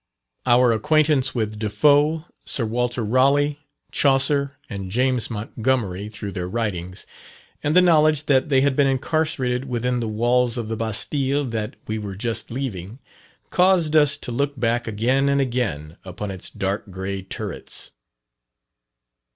Our acquaintance with De Foe, Sir Walter Raleigh, Chaucer, and James Montgomery, through their writings, and the knowledge that they had been incarcerated within the walls of the bastile that we were just leaving, caused us to look back again and again upon its dark grey turrets.